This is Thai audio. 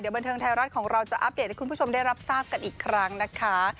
บันเทิงไทยรัฐของเราจะอัปเดตให้คุณผู้ชมได้รับทราบกันอีกครั้งนะคะ